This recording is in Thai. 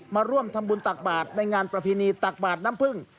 มาร่วมทำบุญตักบาทในงานประเพณีตักบาทน้ำพึ่ง